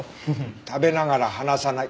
食べながら話さない。